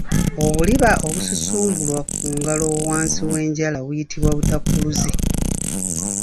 Obuliba obususumbulwa ku ngalo wansi w’enjala buyitibwa Butakkuluze.